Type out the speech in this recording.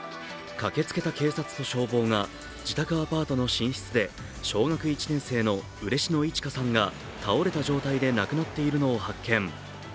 駆けつけた警察と消防が自宅アパートの寝室で小学１年生の嬉野いち花さんが倒れた状態で亡くなっているのを発見。